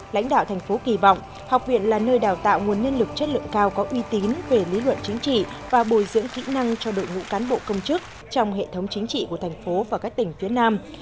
lãnh đạo thành phố kỳ vọng học viện là nơi đào tạo nguồn nhân lực chất lượng cao có uy tín về lý luận chính trị và bồi dưỡng kỹ năng cho đội ngũ cán bộ công chức trong hệ thống chính trị của thành phố và các tỉnh phía nam